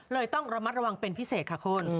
ต้องระมัดระวังเป็นพิเศษค่ะคุณ